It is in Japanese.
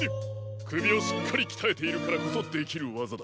くびをしっかりきたえているからこそできるわざだ。